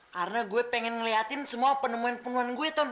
karena gue pengen ngeliatin semua penemuan penemuan gue ton